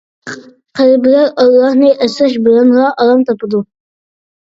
قەلبلەر ئاللاھنى ئەسلەش بىلەنلا ئارام تاپىدۇ.